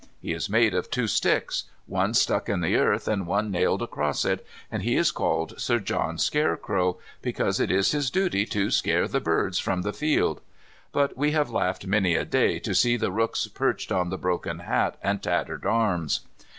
He is made of two sticks, one stuck in the earth and one nailed across it, and he is called Sir John Scarecrow, because it is his duty to scare the birds from the field. But we have laughed many a day to see the rooks perched on his broken hat and tattered arms.